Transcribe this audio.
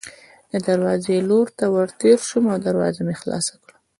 د دروازې لور ته ورتېر شوم او دروازه مې خلاصه کړه.